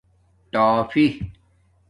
ٹآفی